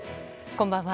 こんばんは。